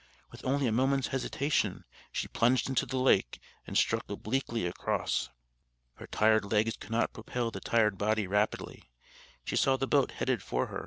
With only a moment's hesitation she plunged into the lake, and struck obliquely across. Her tired legs could not propel the tired body rapidly. She saw the boat headed for her.